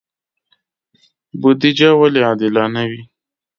بودجه ولې عادلانه وي؟